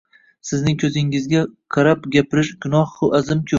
sizning ko‘zingizga qarab gapirish gunohi azim-ku!